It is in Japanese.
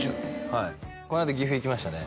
はいこの間岐阜行きましたね